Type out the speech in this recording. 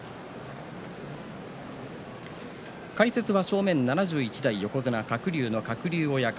解説は正面７１代横綱鶴竜の鶴竜親方。